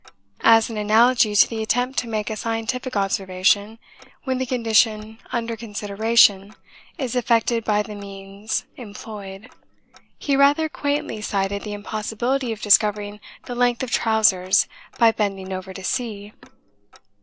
As an analogy to the attempt to make a scientific observation when the condition under consideration is affected by the means employed, he rather quaintly cited the impossibility of discovering the length of trousers by bending over to see!